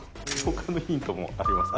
「他のヒントもあります。